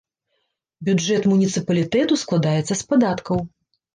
Бюджэт муніцыпалітэту складаецца з падаткаў.